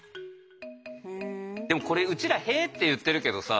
でもこれうちら「へ」って言ってるけどさ